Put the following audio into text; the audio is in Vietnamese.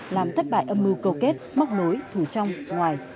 làm thất bại âm mưu cầu kết móc nối thủ trong ngoài